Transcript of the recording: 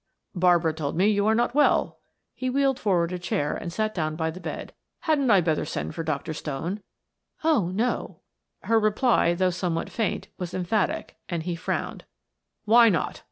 "Barbara told me you are not well," he wheeled forward a chair and sat down by the bed. "Hadn't I better send for Dr. Stone?" "Oh, no," her reply, though somewhat faint, was emphatic, and he frowned. "Why not?"